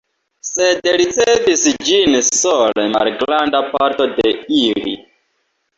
Sed ricevis ĝin sole malgranda parto de ili.